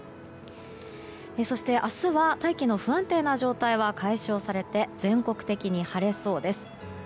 そして、明日は大気が不安定な状態は解消されて全国的に晴れそうです。